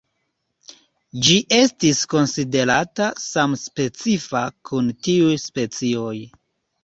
Ĝi estis konsiderata samspecifa kun tiuj specioj.